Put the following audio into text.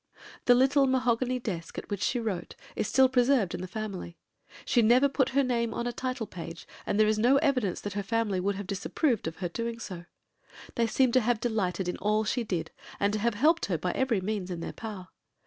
The little mahogany desk at which she wrote is still preserved in the family. She never put her name on a title page, but there is no evidence that her family would have disapproved of her doing so. They seem to have delighted in all she did, and to have helped her by every means in their power.